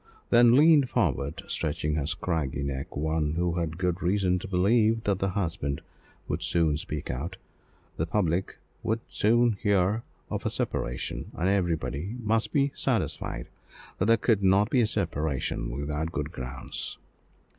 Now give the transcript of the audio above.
Then leaned forward, stretching her scraggy neck, one who had good reason to believe that the husband would soon speak out the public would soon hear of a separation: and everybody must be satisfied that there could not be a separation without good grounds.